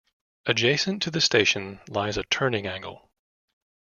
Adjacent to the station lies a turning angle.